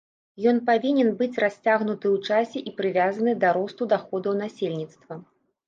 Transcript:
Ён павінен быць расцягнуты ў часе і прывязаны да росту даходаў насельніцтва.